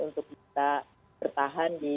untuk bisa bertahan di